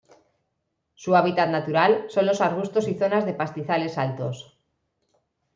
Su hábitat natural son los arbustos y zonas de pastizales altos.